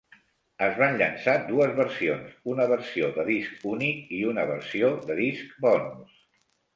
Es van llançar dues versions; una versió de disc únic i una versió de disc bonus.